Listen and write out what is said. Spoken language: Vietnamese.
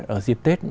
ở dịp tết